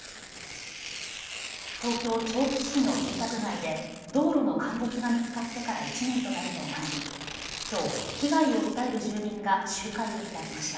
東京調布市の住宅街で道路の陥没が見つかってから１年となるのを前にきょう被害を訴える住民が集会を開きました。